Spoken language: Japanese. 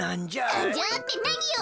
「なんじゃ」ってなによ。